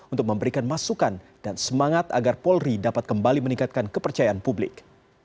untuk memberikan masukan dan semangat agar polri dapat kembali meningkatkan kepercayaan publik